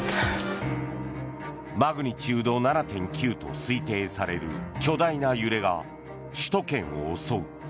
マグニチュード７．９と推定される巨大な揺れが首都圏を襲う。